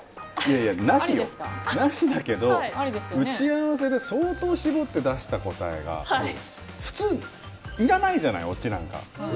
なしよ、なしだけど打ち合わせで相当絞って出した答えが普通いらないじゃないオチなんか。